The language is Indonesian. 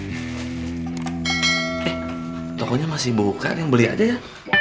eh toko nya masih buka nih beli aja ya